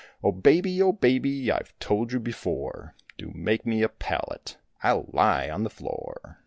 O Baby, O Baby, I've told you before, Do make me a pallet, I'll lie on the floor.